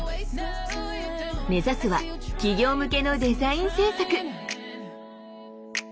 目指すは企業向けのデザイン制作。